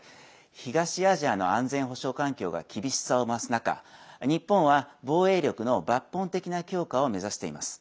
東アジアの安全保障環境が厳しさを増す中日本は、防衛力の抜本的な強化を目指しています。